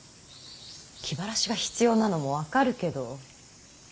気晴らしが必要なのも分かるけど。